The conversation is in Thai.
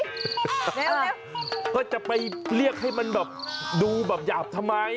เร็วเร็วก็จะไปเรียกให้มันแบบดูแบบหยาบทำไม